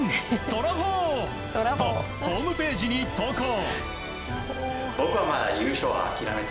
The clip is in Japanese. とらほーとホームページに投稿。